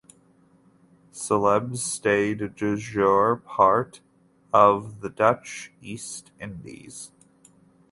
Celebes stayed De jure part of the Dutch East Indies.